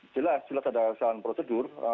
jelas jelas ada alasan prosedur